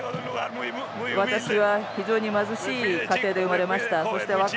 私は非常に貧しい家庭で生まれました。